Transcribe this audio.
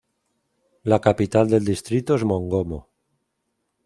La capital del distrito es Mongomo.